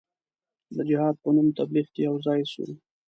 د جهاد په نوم تبلیغ کې یو ځای سو.